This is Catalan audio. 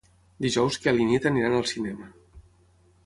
Dijous en Quel i na Nit aniran al cinema.